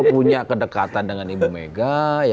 punya kedekatan dengan ibu mega